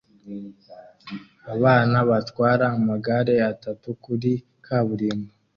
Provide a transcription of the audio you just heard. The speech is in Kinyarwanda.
Abana batwara amagare atatu kuri kaburimbo